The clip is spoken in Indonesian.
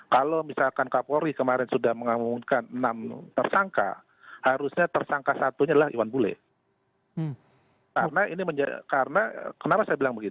kalau misalkan kapolri kemarin sudah mengamukkan enam tersangka harusnya tersangka satunya adalah iwan bule